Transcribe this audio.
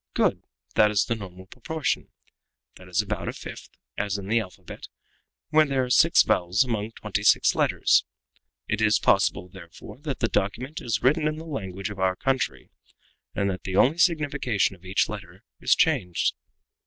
Good! that is the normal proportion. That is about a fifth, as in the alphabet, where there are six vowels among twenty six letters. It is possible, therefore, that the document is written in the language of our country, and that only the signification of each letter is changed.